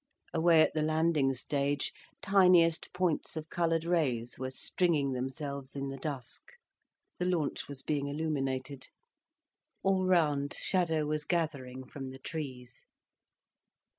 Away at the landing stage, tiniest points of coloured rays were stringing themselves in the dusk. The launch was being illuminated. All round, shadow was gathering from the trees.